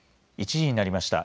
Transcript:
１時になりました。